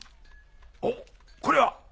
おっこれは！